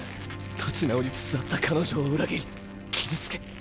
立ち直りつつあった彼女を裏切り傷つけ